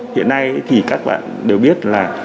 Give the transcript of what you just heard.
hiện nay thì các bạn đều biết là